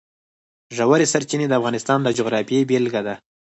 ژورې سرچینې د افغانستان د جغرافیې بېلګه ده.